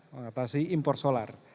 mengatasi impor solar